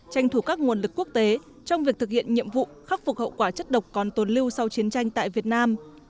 tranh thủ các nguồn lực quốc tế trong việc thực hiện nhiệm vụ khắc phục hậu quả chất độc còn tồn lưu sau chiến tranh tại việt nam